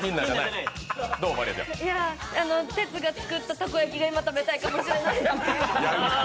テツが作ったたこ焼きが今、食べたいかもしれない。